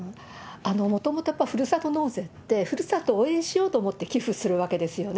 もともとやっぱりふるさと納税って、ふるさとを応援しようと思って寄付するわけですよね。